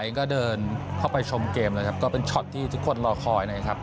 ก็เดินเข้าไปชมเกมเป็นช็อตที่ทุกคนรอคอย